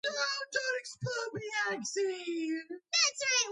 ბალბოა რკინიგზის საშუალებით უკავშირდება კოლონის.